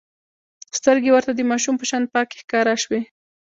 سترګې يې ورته د ماشوم په شان پاکې ښکاره شوې.